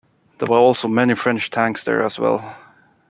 There were also many French tanks there as well.